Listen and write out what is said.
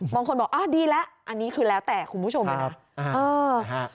บางคนบอกอ่าดีแล้วอันนี้คือแล้วแต่คุณผู้ชมเลยนะ